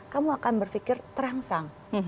kamu akan berpikir terangsang